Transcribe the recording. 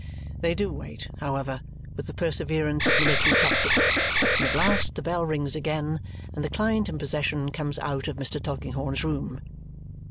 They do wait, however, with the perseverance of military tactics, and at last the bell rings again and the client in possession comes out of Mr. Tulkinghorn's room.